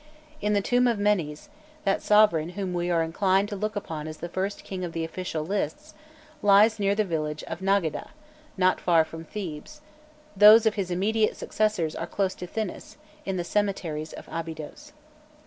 If the tomb of Menés that sovereign whom we are inclined to look upon as the first king of the official lists lies near the village of Nagadeh, not far from Thebes,[*] those of his immediate successors are close to Thinis, in the cemeteries of Abydos.